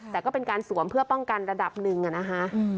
แต่ก็เป็นการสวมเพื่อป้องกันระดับหนึ่งนะคะ